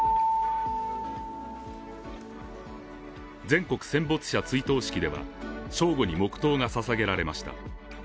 全国戦没者追悼式では、正午に黙とうがささげられました。